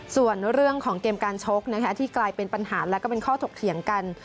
ส่วนเรื่องของเกมการชกที่กลายเป็นปัญหาและก็เป็นข้อถกเถียงกัน